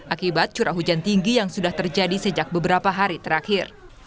akibat curah hujan tinggi yang sudah terjadi sejak beberapa hari terakhir